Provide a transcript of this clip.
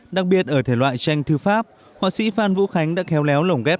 đặc biệt ở thể loại tranh thư pháp họa sĩ phan vũ khánh đã khéo léo lồng ghép